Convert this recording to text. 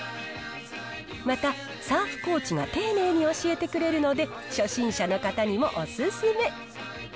また、サーフコーチが丁寧に教えてくれるので、初心者の方にもお勧め。